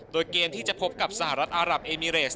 โดยเกมที่จะพบกับสหรัฐอารับเอมิเรส